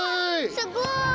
すごい！